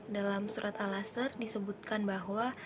dalam surat al azhar disebutkan bahwa